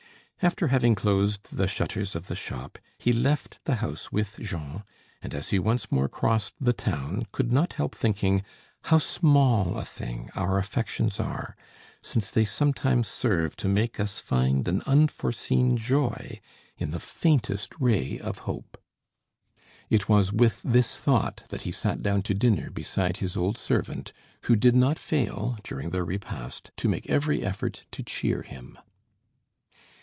After having closed the shutters of the shop, he left the house with Jean, and as he once more crossed the town, could not help thinking how small a thing our affections are, since they sometimes serve to make us find an unforeseen joy in the faintest ray of hope. It was with this thought that he sat down to dinner beside his old servant, who did not fail, during the repast, to make every effort to cheer him.